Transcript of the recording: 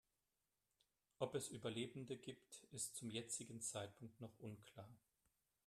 Ob es Überlebende gibt, ist zum jetzigen Zeitpunkt noch unklar.